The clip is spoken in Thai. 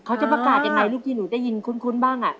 เขาจะประกาศยังไงลูกที่หนูได้ยินคุ้นบ้าง